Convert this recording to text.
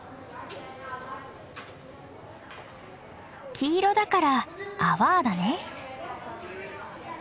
黄色だからアワーだね。